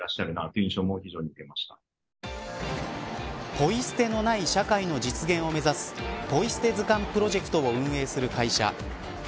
ポイ捨てのない社会の実現を目指すポイ捨て図鑑プロジェクトを運営する会社。